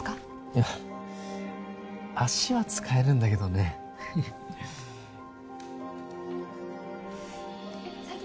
いや足は使えるんだけどねえっ